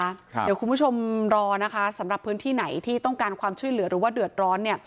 เดี๋ยวคุณผู้ชมรอนะคะสำหรับพื้นที่ไหนที่ต้องการความช่วยเหลือหรือว่าเดือดร้อน